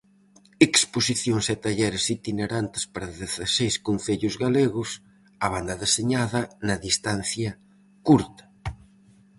Exposicións e talleres itinerantes para dezaseis concellos galegos: A banda deseñada, na distancia curta.